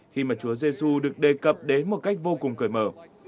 khi mà chúa ê xu được đề cập đến một cách vô cùng cởi mở